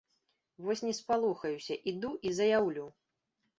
Вось не спалохаюся, іду і заяўлю!